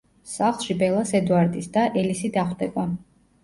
სახლში ბელას ედვარდის და, ელისი დახვდება.